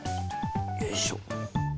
よいしょ。